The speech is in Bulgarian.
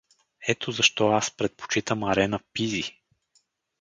Ето защо аз предпочитам арена Пизи.